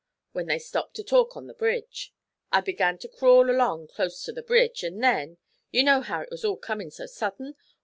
When they stopped to talk on the bridge, I begun to crawl along closte to the bridge, an' then you know how it was all comin' so suddin?